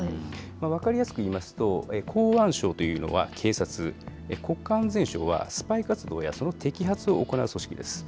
分かりやすくいいますと、公安省というのは警察、国家安全省はスパイ活動やその摘発を行う組織です。